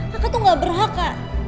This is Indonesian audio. kaka tuh gak berhak kak